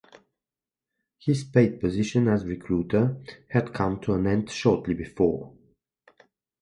His paid position as recruiter had come to an end shortly before.